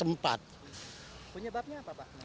penyebabnya apa pak